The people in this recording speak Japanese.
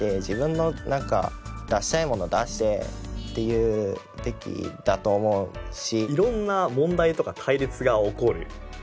っていうべきだと思うし。